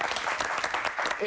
え！